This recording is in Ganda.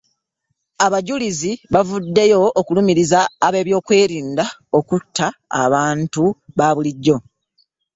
Abajulizi bavuddeyo okulumiriza ab'ebyokwerinda okutta abantu ba bulijjo.